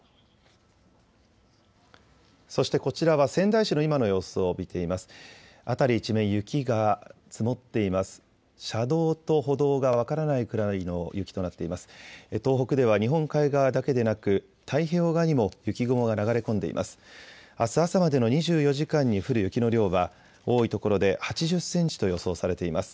そしてこちらは仙台市の今の様子を見ています。